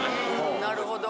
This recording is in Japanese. なるほど。